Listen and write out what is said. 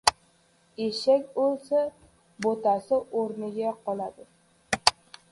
• Eshak o‘lsa, bo‘tasi o‘rniga qoladi.